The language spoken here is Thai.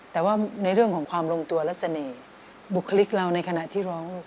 แต่ว่าในเรื่องของความลงตัวและเสน่ห์บุคลิกเราในขณะที่ร้อง